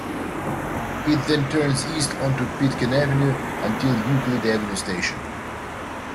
It then turns east onto Pitkin Avenue until Euclid Avenue station.